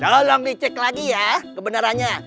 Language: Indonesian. tolong dicek lagi ya kebenarannya